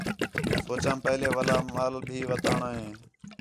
سوچام پہلے والا مال بھی وَتاݨاں ہِے